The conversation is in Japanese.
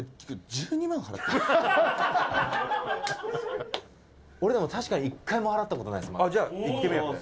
千賀：俺、でも確かに１回も払った事ないです、まだ。